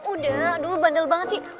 udah aduh bandel banget sih